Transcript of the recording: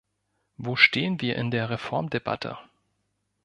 Wo stehen wir in der Reformdebatte?